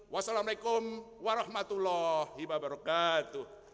wassalamu alaikum warahmatullahi wabarakatuh